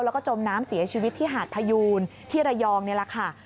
แล้วก็จมน้ำเสียชีวิตที่หาดพยูนที่ระยองนี่แหละค่ะ